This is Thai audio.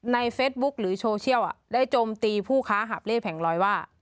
เฟสบุ๊คหรือโซเชียลได้จมตีผู้ค้าหาบเลขแผงลอยว่า